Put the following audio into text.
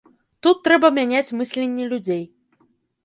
Тут трэба мяняць мысленне людзей.